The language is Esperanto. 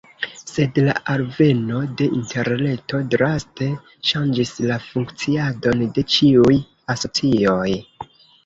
Sed la alveno de interreto draste ŝanĝis la funkciadon de ĉiuj asocioj.